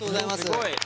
すごい。